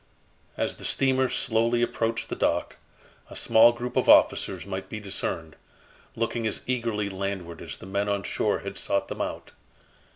As the steamer slowly approached the dock, a small group of officers might be discerned, looking as eagerly landward as the men on shore had sought them out.